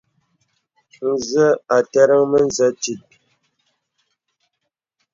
Zə à aterə̀ŋ mə̀zə tìt.